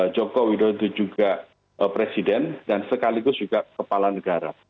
jokowi dodo itu juga presiden dan sekaligus juga kepala negara